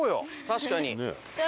確かに。